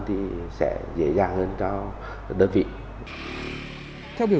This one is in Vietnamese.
thì sẽ dễ dàng hơn cho đơn vị